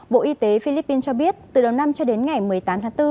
bộ y tế philippines cho biết từ đầu năm cho đến ngày một mươi tám tháng bốn